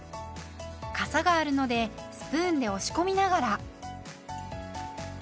かさがあるのでスプーンで押し込みながら。